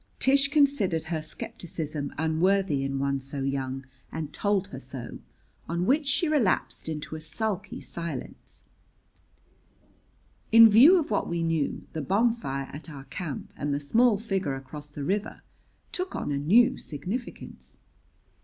Tish considered her skepticism unworthy in one so young, and told her so; on which she relapsed into a sulky silence. In view of what we knew, the bonfire at our camp and the small figure across the river took on a new significance.